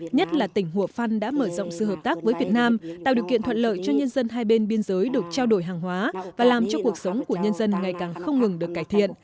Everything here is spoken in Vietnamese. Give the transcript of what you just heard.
nhất là tỉnh hùa phăn đã mở rộng sự hợp tác với việt nam tạo điều kiện thuận lợi cho nhân dân hai bên biên giới được trao đổi hàng hóa và làm cho cuộc sống của nhân dân ngày càng không ngừng được cải thiện